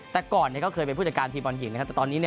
แต่ก่อนเขาเคยเป็นผู้จัดการทีมด